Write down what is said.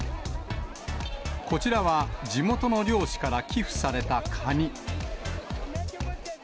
こちらは地元の漁師から寄付されたカニ。